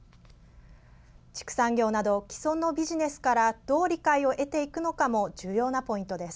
畜産業など、既存のビジネスからどう理解を得ていくかも重要なポイントです。